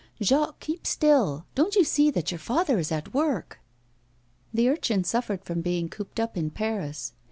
Jacques, keep still; don't you see that your father is at work?' The urchin suffered from being cooped up in Paris.